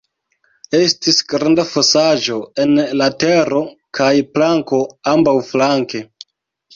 Estis granda fosaĵo en la tero kaj planko ambaŭflanke.